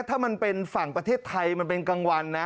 ถ้ามันเป็นฝั่งประเทศไทยมันเป็นกลางวันนะ